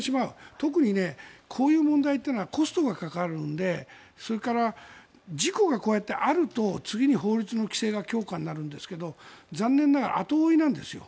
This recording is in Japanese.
特にこういう問題というのはコストがかかるのでそれから事故がこうやってあると次に法律の規制が強化になるんですけど残念ながら後追いなんです。